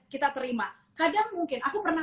kita terima kadang mungkin aku pernah